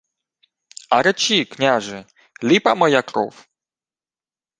— А речи, княже: ліпа моя кров?